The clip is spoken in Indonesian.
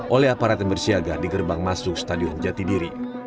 oleh aparat yang bersiaga di gerbang masuk stadion jatidiri